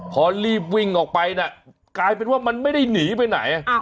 พอรีบวิ่งออกไปนะกลายเป็นว่ามันไม่ได้หนีไปไหน